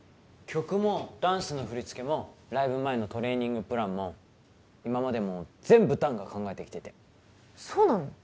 曲もダンスの振り付けもライブ前のトレーニングプランも今までも全部弾が考えてきててそうなの？